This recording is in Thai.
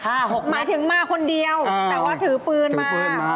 เอาใหม่หมายถึงมาคนเดียวแต่ว่าถือปืนมาถือปืนมา